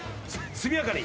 速やかに。